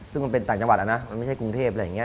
ซึ่งมันเป็นต่างจังหวัดนะมันไม่ใช่กรุงเทพอะไรอย่างนี้